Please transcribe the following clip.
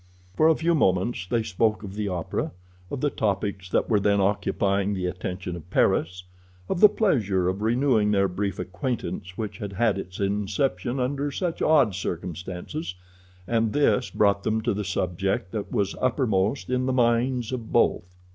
For a few moments they spoke of the opera, of the topics that were then occupying the attention of Paris, of the pleasure of renewing their brief acquaintance which had had its inception under such odd circumstances, and this brought them to the subject that was uppermost in the minds of both.